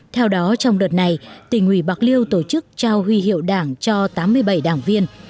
theo đó trong đợt này tỉnh ủy bạc liêu tổ chức trao huy hiệu đảng cho tám mươi bảy đảng viên